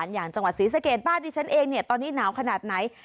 จังหวัดศรีเสกียนบ้านดิฉันเองเนี่ยตอนนี้หนาวขนาดไหน